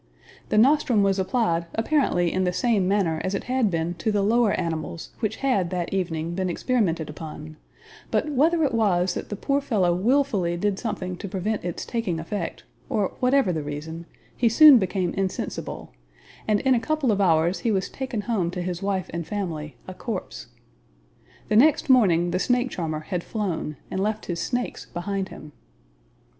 The nostrum was applied apparently in the same manner as it had been to the lower animals which had that evening been experimented upon, but whether it was that the poor fellow wilfully did something to prevent its taking effect or whatever the reason he soon became insensible, and in a couple of hours he was taken home to his wife and family a corpse. The next morning the snake charmer had flown, and left his snakes behind him.